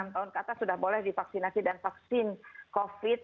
delapan tahun ke atas sudah boleh divaksinasi dan vaksin covid